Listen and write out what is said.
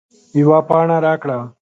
یوه پاڼه راکړه